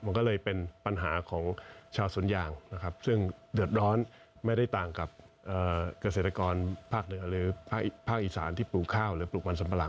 มันก็เลยเป็นปัญหาของชาวสวนยางนะครับซึ่งเดือดร้อนไม่ได้ต่างกับเกษตรกรภาคเหนือหรือภาคอีสานที่ปลูกข้าวหรือปลูกมันสัมปะหลัง